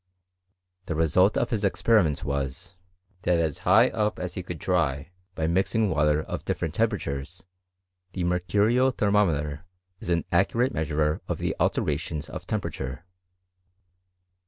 The result of his experi ments was, that as high up as he could try by mixing water of different temperatures, the mercurial thermo* meter is an accurate measurer of the alterations of temperatnie.